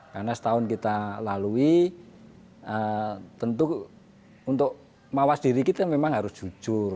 karena setahun kita lalui tentu untuk mawas diri kita memang harus jujur